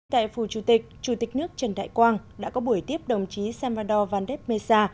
tại phủ chủ tịch chủ tịch nước trần đại quang đã có buổi tiếp đồng chí salvador valdesmeza